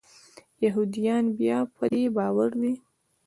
یهودیان بیا په دې باور دي.